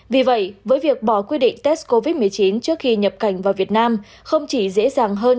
vì vậy với việc bỏ quy định test covid một mươi chín trước khi nhập cảnh vào việt nam không chỉ dễ dàng hơn